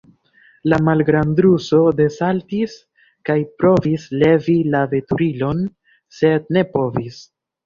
La malgrandruso desaltis kaj provis levi la veturilon, sed ne povis.